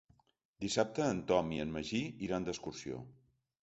Dissabte en Tom i en Magí iran d'excursió.